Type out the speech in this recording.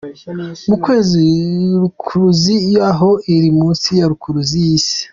Ku kwezi rukuruzi yaho iri munsi ya rukuruzi y’isi.